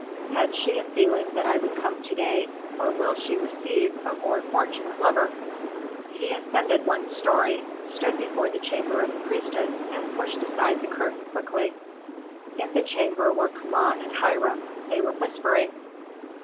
Had she a feeling that I would come to day, or will she receive a more fortunate lover?" He ascended one story, stood before the chamber of the priestess, and pushed aside the curtain quickly. In the chamber were Kama and Hiram; they were whispering.